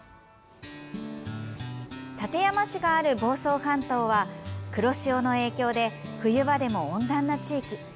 館山市がある房総半島は黒潮の影響で冬場でも温暖な地域。